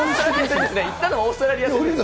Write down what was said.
行ったのはオーストラリア戦でしょ。